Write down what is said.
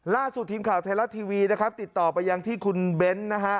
ล่าสุดทีมข่าวไทยรัฐทีวีนะครับติดต่อไปยังที่คุณเบ้นนะฮะ